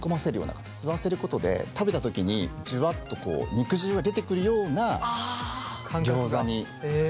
吸わせることで食べた時にジュワッとこう肉汁が出てくるようなギョーザになります。